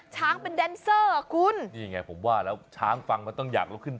ช้างเป็นแดนเซอร์คุณนี่ไงผมว่าแล้วช้างฟังมันต้องอยากลุกขึ้น